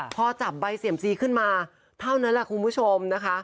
พอจับใบเสี่ยมซีขึ้นมาเท่านั้นแหละคุณผู้ชมนะคะ